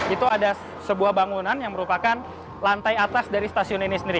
itu ada sebuah bangunan yang merupakan lantai atas dari stasiun ini sendiri